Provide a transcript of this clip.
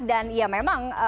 dan ya memang